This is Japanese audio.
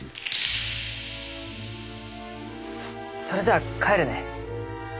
それじゃあ帰るね。